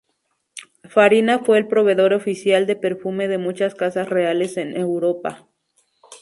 Farina fue el proveedor oficial de perfume de muchas casas reales en Europa.